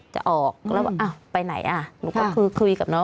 จะออกแล้วไปไหนอ่ะหนูก็คือคุยกับน้อง